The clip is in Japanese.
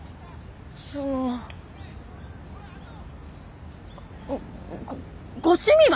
そのごご趣味は？